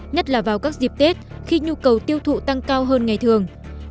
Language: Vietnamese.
nhất là vào các dịp tết khi nhu cầu tiêu thụ tăng cao hơn ngày thường